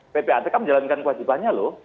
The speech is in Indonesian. ppatk menjalankan kewajibannya loh